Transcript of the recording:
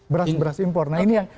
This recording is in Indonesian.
beras beras impor nah ini yang